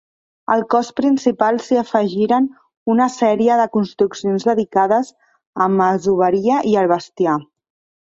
Al cos principal s'hi afegiren una sèrie de construccions dedicades a masoveria i al bestiar.